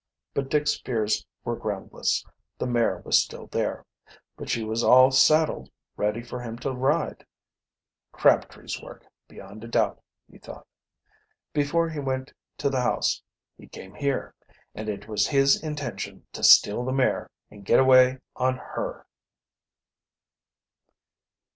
But Dick's fears were groundless. The mare was still there. But she was all saddled, ready for him to ride. "Crabtree's work, beyond a doubt," he thought. Before he went to the house he came here, and it was his intention to steal the mare and get away on her.